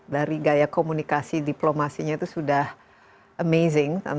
dari gaya komunikasi diplomasinya itu sudah amazing